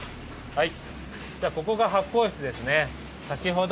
はい。